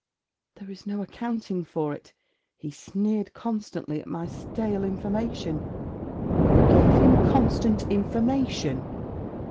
There is no accounting for it. He sneered constantly at my stale information.' 'You gave him constant information?'